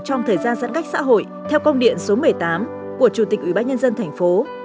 trong thời gian giãn cách xã hội theo công điện số một mươi tám của chủ tịch ủy ban nhân dân tp